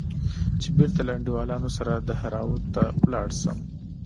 چې بېرته له انډيوالانو سره دهراوت ته ولاړ سم.